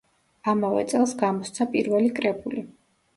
ამავე წელს გამოსცა პირველი კრებული.